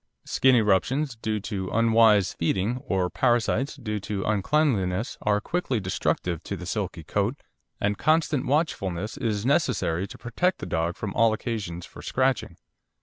Skin eruptions due to unwise feeding, or parasites due to uncleanliness, are quickly destructive to the silky coat, and constant watchfulness is necessary to protect the dog from all occasion for scratching.